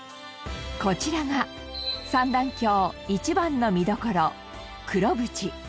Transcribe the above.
こちらが三段峡一番の見どころ黒淵。